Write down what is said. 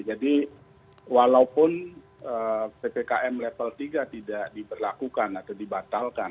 jadi walaupun ppkm level tiga tidak diberlakukan atau dibatalkan